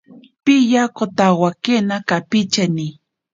Piyakotawakena kapicheni.